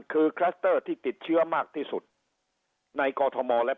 คือคลัสเตอร์ที่ติดเชื้อมากที่สุดในกอทมและ